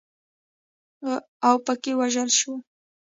اوپکي ووژل شول.